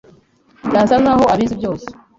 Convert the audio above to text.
Yasa nkaho abizi byose.